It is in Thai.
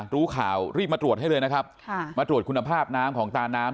รู้ข่าวรีบมาตรวจให้เลยนะครับมาตรวจคุณภาพน้ำของตาน้ำ